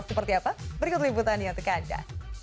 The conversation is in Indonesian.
seperti apa berikut liputannya untuk anda